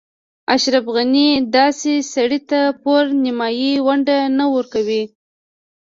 اشرف غني داسې سړي ته پوره نیمايي ونډه نه ورکوي.